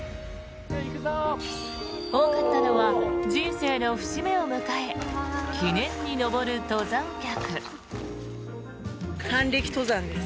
多かったのは人生の節目を迎え記念に登る登山客。